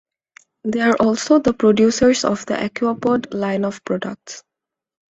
They are also the producers of the Aquapod line of products.